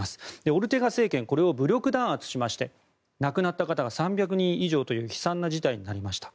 オルテガ政権これを武力弾圧しまして亡くなった方が３００人以上という悲惨な事態になりました。